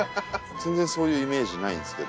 全然そういうイメージないんですけど。